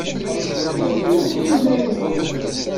Xellṣen yal yiwen i yiman-nnes.